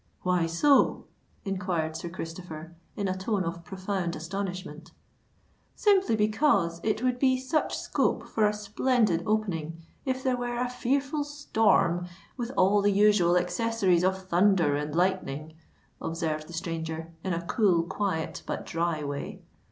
"Why so?" enquired Sir Christopher, in a tone of profound astonishment. "Simply because it would be such scope for a splendid opening, if there were a fearful storm, with all the usual accessories of thunder and lightning," observed the stranger, in a cool, quiet, but dry way.